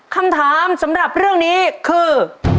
คำถามสำหรับเรื่องนี้คือ